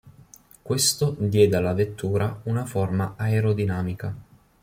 Questo diede alla vettura una forma aerodinamica.